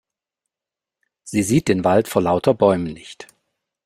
Sie sieht den Wald vor lauter Bäumen nicht.